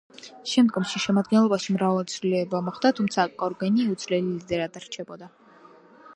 შემდგომში შემადგენლობაში მრავალი ცვლილება მოხდა, თუმცა კორგენი უცვლელ ლიდერად რჩებოდა.